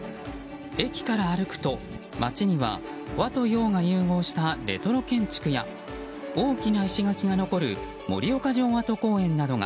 駅から歩くと街には、和と洋が融合したレトロ建築や大きな石垣が残る盛岡城跡公園などが。